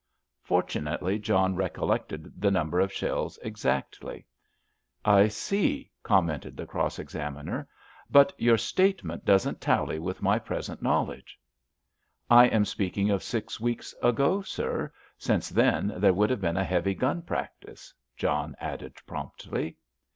Fortunately John recollected the number of shells exactly. "I see," commented the cross examiner. "But your statement doesn't tally with my present knowledge." "I am speaking of six weeks ago, sir; since then there would have been a heavy gun practice," John added promptly.